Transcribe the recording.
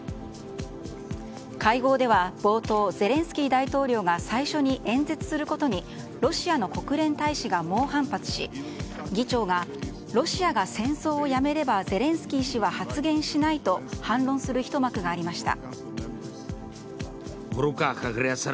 会合では冒頭ゼレンスキー大統領が最初に演説することにロシアの国連大使が猛反発し、議長がロシアが戦争をやめればゼレンスキー氏は発言しないと反論するひと幕がありました。